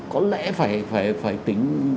có lẽ phải tính